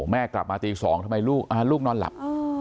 แม่กลับมาตี๒ทำไมลูกนอนหลับ